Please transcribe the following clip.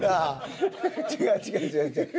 違う違う違う違う。